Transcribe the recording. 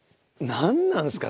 何なんですか？